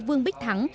vương bích thắng